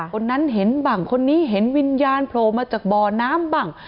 คนนั้นเห็นบ้างคนนี้เห็นวิญญาณโผล่มาจากบ่อน้ำบ้าง